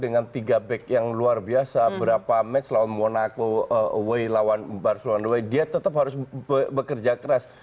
dengan tiga back yang luar biasa berapa match lawan monaco away lawan barcelonai dia tetap harus bekerja keras